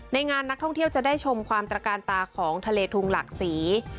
งานนักท่องเที่ยวจะได้ชมความตระการตาของทะเลทุงหลักศรี